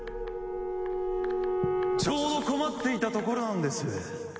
ちょうど困っていたところなのです。